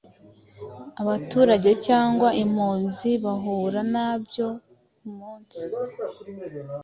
abaturage cyangwa impunzi bahura nabyo ku umunsi